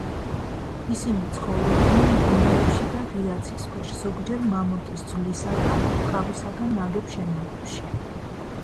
ისინი ცხოვრობდნენ მღვიმეებში და ღია ცის ქვეშ, ზოგჯერ მამონტის ძვლისა და ტყავისაგან ნაგებ შენობებში.